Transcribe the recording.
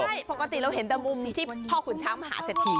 ใช่ปกติเราเห็นแต่มุมที่พ่อขุนช้างมหาเศรษฐี